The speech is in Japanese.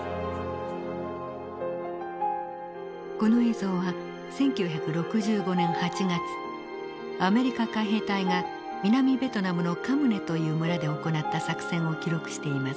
この映像は１９６５年８月アメリカ海兵隊が南ベトナムのカムネという村で行った作戦を記録しています。